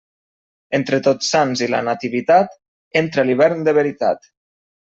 Entre Tots Sants i la Nativitat, entra l'hivern de veritat.